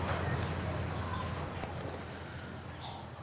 mbak oyi yang kecil lah